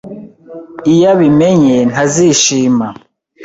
Iyo abimenye, ntazishima.